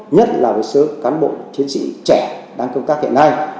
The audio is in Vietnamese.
nhất là một số cán bộ chiến sĩ trẻ đang công tác hiện nay